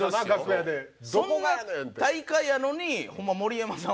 そんな大会やのにホンマ盛山さん